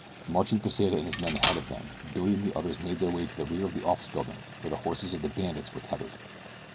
Marching Pesita and his men ahead of them Billy and the others made their way to the rear of the office building where the horses of the bandits were tethered.